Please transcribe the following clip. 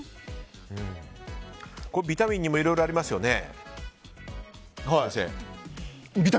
ビタミンにもいろいろありますよね。